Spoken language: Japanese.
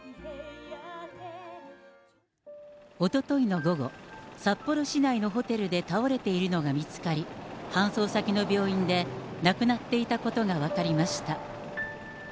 おとといの午後、札幌市内のホテルで倒れているのが見つかり、搬送先の病院で亡くなっていたことが分かりました。